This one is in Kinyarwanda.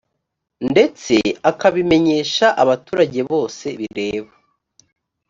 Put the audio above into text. ndetse akabimenyesha abaturage bose bireba